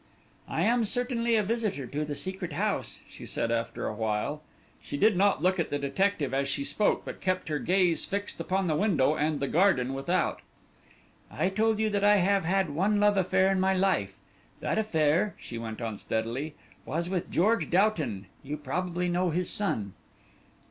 "I am certainly a visitor to the Secret House," she said, after a while. She did not look at the detective as she spoke, but kept her gaze fixed upon the window and the garden without. "I told you that I have had one love affair in my life; that affair," she went on steadily, "was with George Doughton; you probably know his son."